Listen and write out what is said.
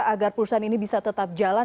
agar perusahaan ini bisa tetap jalan